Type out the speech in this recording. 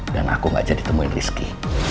dan aku gak jadi temuin rizky